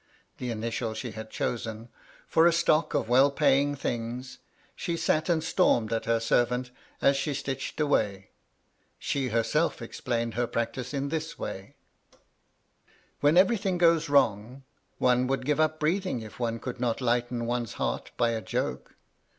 (the initial she had chosen) for a stock of well paying things, she sat and stormed at her servant as she stitched away. She herself explained her practice in this way :— MY LADY LUDLOW. 207 " When everything goes wrong, one would give up breathing if one could not lighten one's heart by a joke.